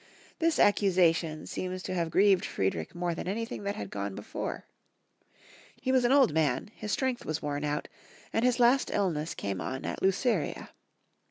This accusation seems to have grieved Friedrich more than anything that had gone before. He was an old man, his strength was worn out, and his last illness came on at Luceria.